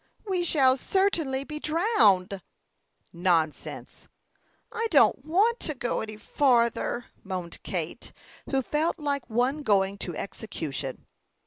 "We shall certainly be drowned!" "Nonsense!" "I don't want to go any farther," moaned Kate, who felt like one going to execution.